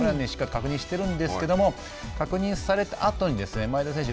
しっかりと確認してるんですけど確認されたあとに前田選手